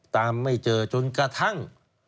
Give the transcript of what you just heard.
ไม่เจอจนกระทั่ง